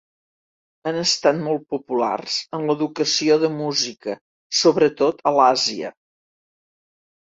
Han estat molt populars en l'educació de música, sobretot a l'Àsia.